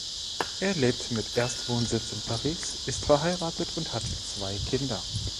Er lebt mit Erstwohnsitz in Paris, ist verheiratet und hat zwei Kinder.